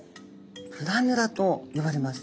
プラヌラと呼ばれます。